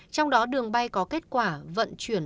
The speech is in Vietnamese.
trong đó đường bay có kết quả vận chuyển